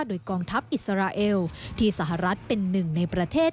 โดยกองทัพอิสราเอลที่สหรัฐเป็นหนึ่งในประเทศ